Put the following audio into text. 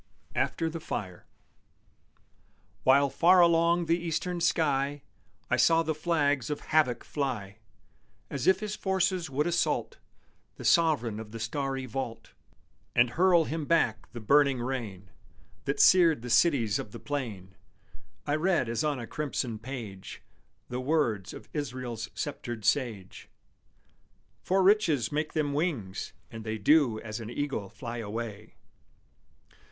AFTER THE FIRE While far along the eastern sky I saw the flags of Havoc fly, As if his forces would assault The sovereign of the starry vault And hurl Him back the burning rain That seared the cities of the plain, I read as on a crimson page The words of Israel's sceptred sage: _For riches make them wings, and they Do as an eagle fly away.